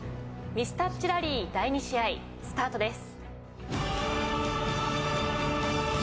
ミスタッチラリー第２試合スタートです。